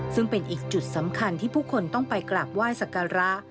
ซึ่งเป็นอีกจุดสำคัญที่ผู้คนต้องไปกราบไหว้สักการะ